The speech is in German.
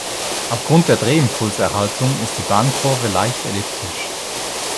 Aufgrund der Drehimpulserhaltung ist die Bahnkurve leicht elliptisch.